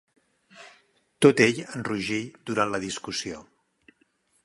Tot ell enrogí durant la discussió.